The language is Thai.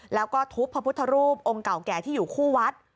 แล้วก็ทุบพระพุทธรูปองค์เก่าแก่ที่อยู่คู่วัด